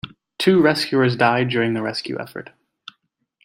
Two rescuers died during the rescue effort.